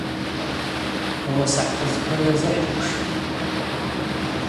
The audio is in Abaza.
Ауаса хӏтыдзква йырзыхӏхушйа?